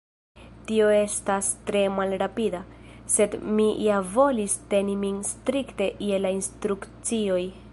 Tio estas tre malrapida, sed mi ja volis teni min strikte je la instrukcioj.